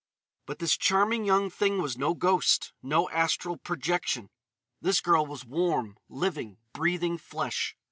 But this charming young thing was no ghost, no astral projection. This girl was warm, living, breathing flesh.